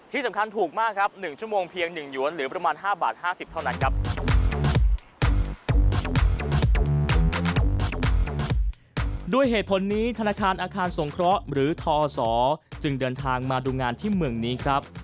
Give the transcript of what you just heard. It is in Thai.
ที่สำคัญถูกมากครับ๑ชั่วโมงเพียง๑หยวนหรือประมาณ๕บาท๕๐เท่านั้นครับ